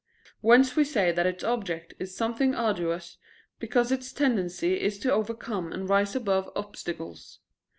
Whence we say that its object is something arduous, because its tendency is to overcome and rise above obstacles.